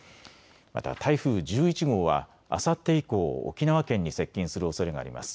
また台風１１号はあさって以降、沖縄県に接近するおそれがあります。